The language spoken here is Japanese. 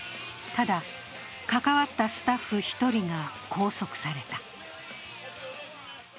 ただ、関わったスタッフ１人が拘束された。